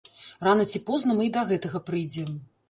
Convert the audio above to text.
Рана ці позна мы і да гэтага прыйдзем.